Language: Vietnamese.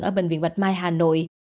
ở bệnh viện bạch mai hà nội